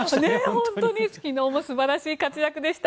本当に昨日も素晴らしい活躍でした。